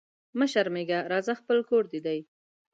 مه شرمېږه راځه خپل کور دي دی